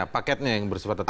paketnya yang bersifat tetap